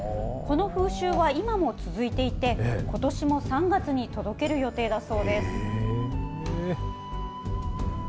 この風習は今も続いていて、ことしも３月に届ける予定だそうです。